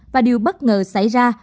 và điều bất ngờ xảy ra